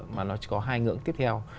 mà nó có hai ngưỡng tiếp theo